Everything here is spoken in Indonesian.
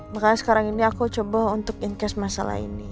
makanya sekarang ini aku coba untuk incase masalah ini